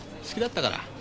好きだったから。